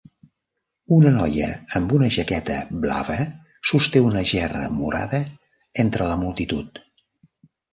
Una noia amb una jaqueta blava sosté una gerra morada entre la multitud.